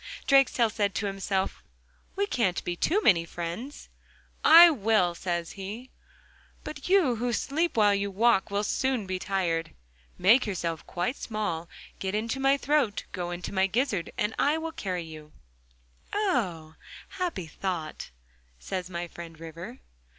Drakestail said to himself: 'We can't be too many friends.'... 'I will,' says he, 'but you who sleep while you walk will soon be tired. Make yourself quite small, get into my throat—go into my gizzard and I will carry you.' 'Ah! happy thought!' says my friend River.